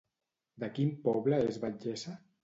De quin poble és batllessa?